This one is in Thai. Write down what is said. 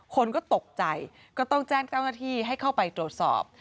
คนก็ตกใจก็ต้องแจ้งเจ้าหน้าที่ให้เข้าไปตรวจสอบ